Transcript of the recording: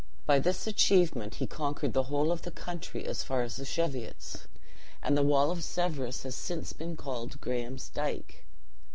By this achievement he conquered the whole of the country as far as the Cheviots, and the wall of Severus has since been called Graham's Dike (1809.)